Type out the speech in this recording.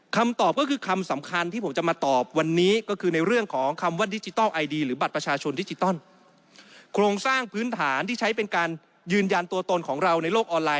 คำตอบก็คือคำสำคัญที่ผมจะมาตอบวันนี้